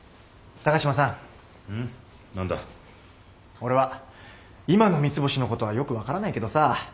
俺は今の三ツ星のことはよく分からないけどさ